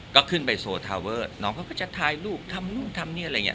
ก็ขึ้นไปโซทาเวอร์น้องเขาก็จะถ่ายรูปทำนู่นทำนี่อะไรอย่างนี้